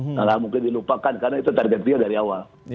salah mungkin dilupakan karena itu target dia dari awal